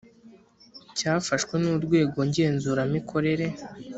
cyafashwe n Urwego Ngenzuramikorere